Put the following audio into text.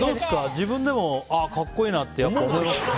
自分でも格好いいなって思いますか？